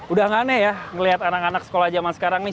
udah aneh ya ngeliat anak anak sekolah zaman sekarang nih